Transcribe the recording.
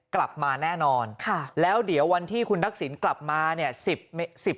กลับมาแน่นอนค่ะแล้วเดี๋ยววันที่คุณทักษิณกลับมาเนี่ย